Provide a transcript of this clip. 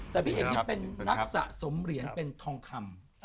แต่พี่เอกนี่เป็นนักสะสมเหรียญเป็นทองคำ